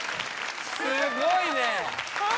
すごいね。